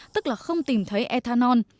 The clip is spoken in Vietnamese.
tức là không tìm thấy ethanol